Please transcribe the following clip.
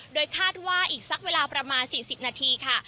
โดยคาดว่าอีกสักเวลาประมาณ๔๐นาทีค่ะ